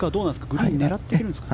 グリーン狙ってくるんですか。